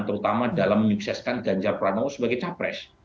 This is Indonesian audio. terutama dalam menyukseskan ganjar pranowo sebagai capres